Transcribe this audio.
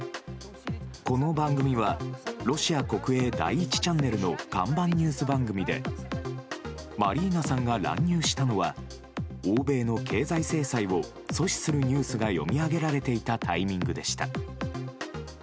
この番組はロシア国営第１チャンネルの看板ニュース番組でマリーナさんが乱入したのは欧米の経済制裁を阻止するニュースが読み上げられていたタイミングでした。